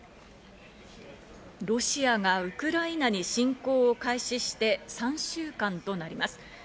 ロシアがウクライナに侵攻を開始して３週間となります。